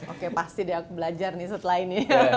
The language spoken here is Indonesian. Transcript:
oke pasti dia belajar nih setelah ini